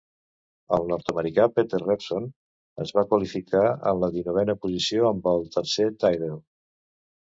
El nord-americà Peter Revson es va qualificar en la dinovena posició amb el tercer Tyrrell.